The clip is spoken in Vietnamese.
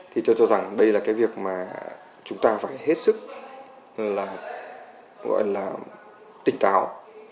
thì tôi cho rằng đây là cái việc mà chúng ta phải hết sức là gọi là tỉnh táo